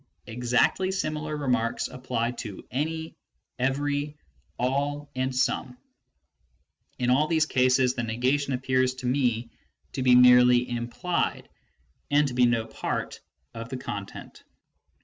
Exactly similar remai'ks apply to " any," " every," " all," and " some ". In all these cases, the nega tion appears to me to be merely implied, and to be no part of the content.